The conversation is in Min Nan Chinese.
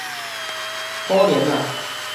可憐 nah